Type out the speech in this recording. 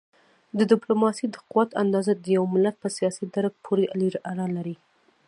د ډیپلوماسی د قوت اندازه د یو ملت په سیاسي درک پورې اړه لري.